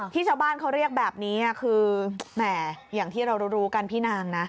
ชาวบ้านเขาเรียกแบบนี้คือแหมอย่างที่เรารู้กันพี่นางนะ